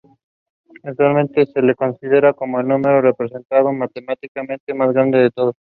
Actualmente, se le considera como el número representado matemáticamente más grande de todos.